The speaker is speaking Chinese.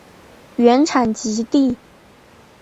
原产极地。